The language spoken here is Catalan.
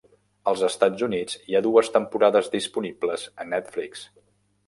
Als Estats Units hi ha dues temporades disponibles a Netflix.